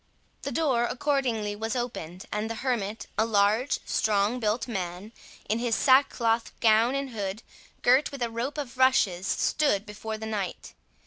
The door accordingly was opened; and the hermit, a large, strong built man, in his sackcloth gown and hood, girt with a rope of rushes, stood before the knight.